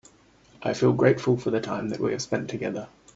I feel grateful for the time that we have spend together.